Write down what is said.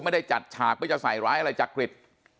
ไม่ได้จัดฉากเพื่อจะใส่ร้ายอะไรจักริต